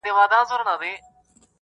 راته وایه ستا به څو وي اولادونه -